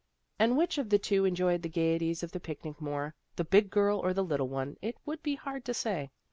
And which of the two enjoyed the gaieties of the picnic more, the big girl or the little one, it would be hard to say.